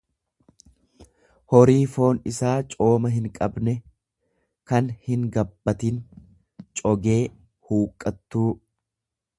horii foon isaa cooma hinqabne, kan hingabbatin, cogee, huqqattuu.